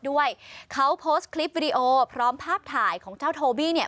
ด้วยเขาโพสต์คลิปวิดีโอพร้อมภาพถ่ายของเจ้าโทบี้เนี่ย